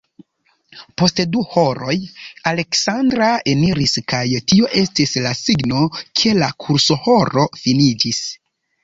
Post du horoj Aleksandra eniris kaj tio estis la signo, ke la kursohoro finiĝis.